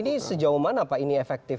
ini sejauh mana pak ini efektif